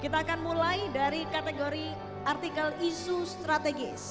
kita akan mulai dari kategori artikel isu strategis